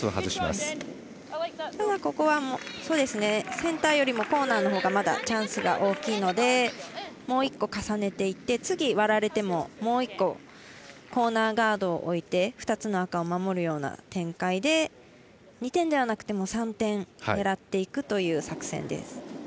ただ、ここはセンターよりコーナーのほうがまだ、チャンスが大きいのでもう１個重ねていって次、割られてももう１個コーナーガードを置いて２つの赤を守るような展開で２点ではなくて３点狙っていくという作戦です。